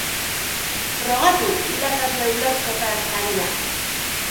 Frogatu irakasle ulerkorra zarela!